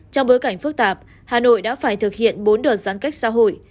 trong bối cảnh phức tạp hà nội đã phải thực hiện bốn đợt giãn cách xã hội